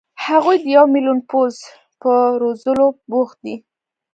هغوی د یو ملیون پوځ په روزلو بوخت دي.